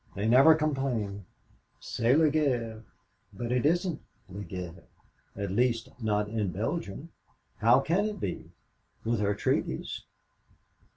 They never complain, only say, 'C'est la guerre,' but it isn't la guerre at least, not in Belgium. How can it be, with her treaties!